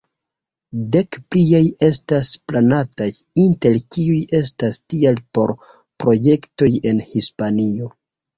Dek pliaj estas planataj, inter kiuj estas tiaj por projektoj en Hispanio.